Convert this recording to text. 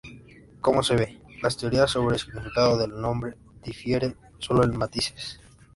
Como se ve, las teorías sobre el significado del nombre difieren solo en matices.